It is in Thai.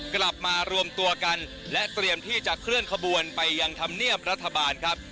กลับมารวมตัวกันและเตรียมที่จะเคลื่อนขบวนไปยังธรรมเนียบรัฐบาลครับ